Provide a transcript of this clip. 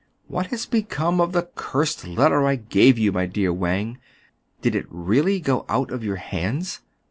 What has become of the cursed letter I gave you, my dear Wang } Did it really go out of your hands